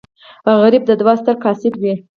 غریب د دعا ستر قاصد وي